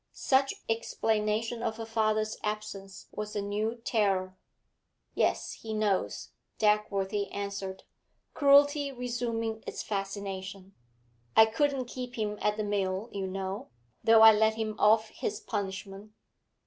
Such explanation of her father's absence was a new terror. 'Yes, he knows,' Dagworthy answered, cruelty resuming its fascination. 'I couldn't keep him at the mill, you know, though I let him off his punishment.'